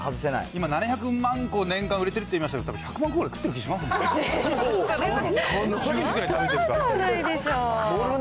今、７００万個、年間売れてると言いましたけど、１００万個くらい食ってる気しまそんなことはないでしょう。